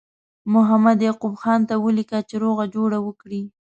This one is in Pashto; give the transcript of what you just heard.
محمد یعقوب خان ته ولیکه چې روغه جوړه وکړي.